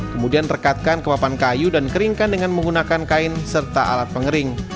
kemudian rekatkan ke papan kayu dan keringkan dengan menggunakan kain serta alat pengering